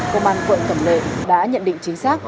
công an quận cẩm lệ đã nhận định chính xác